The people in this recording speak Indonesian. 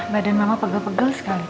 badan mama pegel pegel sekali